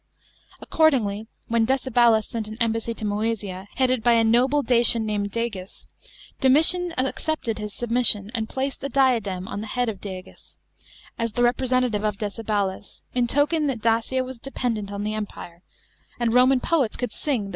Accordingly when IVcebalus sent an embassy to Moe*ia, headed by a noble Dacian named Di gis,* Domitian accepted his submission, and jilacid a diadem on the hi ad of Di<gis, as the representative of Dccehalus, in toktn that Dacia was dependent on the Empire, and Roman poets could sing that th?